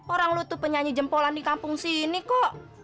orang lu tuh penyanyi jempolan di kampung sini kok